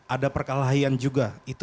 ada perkelahian juga